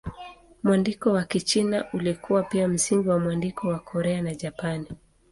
Mwandiko wa Kichina ulikuwa pia msingi wa mwandiko wa Korea na Japani.